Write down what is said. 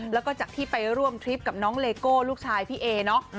แล้วก็จากที่ไปร่วมทริปกับน้องเลโก้ลูกชายพี่เอเนาะ